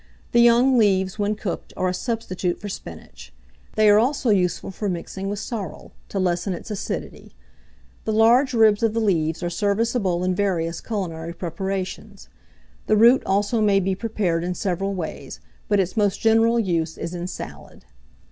The young leaves, when cooked, are a substitute for spinach; they are also useful for mixing with sorrel, to lessen its acidity. The large ribs of the leaves are serviceable in various culinary preparations; the root also may be prepared in several ways, but its most general use is in salad.